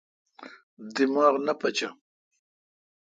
دماغ نہ پچو۔